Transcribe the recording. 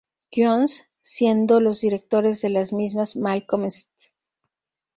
Jones, siendo los directores de las mismas Malcolm St.